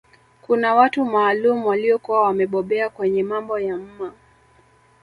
Kuna watu maalum waliokuwa wamebobea kwenye mambo ya mma